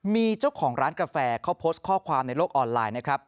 มีเจ้าของร้านกาแฟเขาโพสต์ข้อความในโลกออนไลน์นะครับ